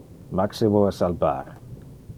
Maximo es al bar.